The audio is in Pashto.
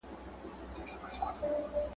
حساب ورکول د هر مسوول دنده ده.